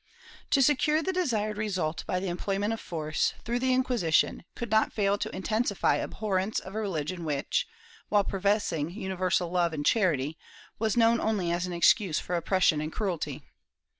To secure the desired result by the employment of force, through the Inquisition, could not fail to intensify abhorrence of a religion which, while professing universal love and charity, was known only as an excuse for oppression and cruelty.